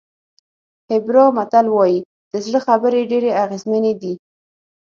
هېبرا متل وایي د زړه خبرې ډېرې اغېزمنې دي.